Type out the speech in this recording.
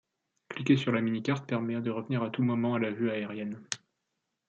Cliquer sur la mini-carte permet de revenir à tout moment à la vue aérienne.